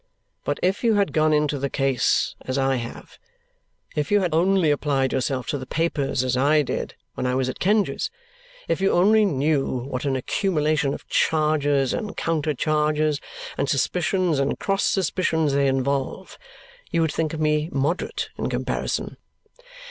But if you had gone into the case as I have, if you had only applied yourself to the papers as I did when I was at Kenge's, if you only knew what an accumulation of charges and counter charges, and suspicions and cross suspicions, they involve, you would think me moderate in comparison."